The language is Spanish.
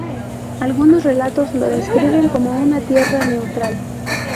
Algunos relatos lo describen como una tierra neutral.